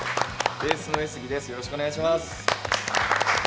ベースの上杉です、よろしくお願いします。